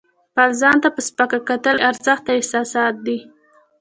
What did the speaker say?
خپل ځان ته په سپکه کتل بې ارزښته احساسات دي.